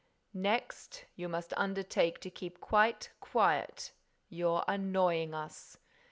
"Next, you must undertake to keep quite quiet. You're annoying us.